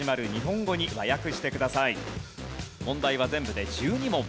問題は全部で１２問。